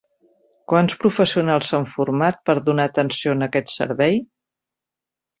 Quants professionals s'han format per donar atenció en aquest servei?